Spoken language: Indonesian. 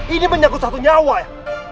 ini menyangkut satu nyawa ya